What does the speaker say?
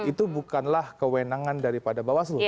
itu bukanlah kewenangan daripada bawaslu